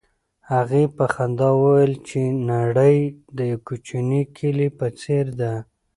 هغې په خندا وویل چې نړۍ د یو کوچني کلي په څېر ده.